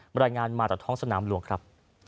รายงานมาจากท้องสนามหลวงครับ